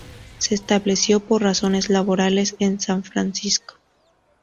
Se estableció por razones laborales en San Francisco.